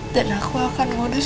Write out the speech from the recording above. dan aku akan modus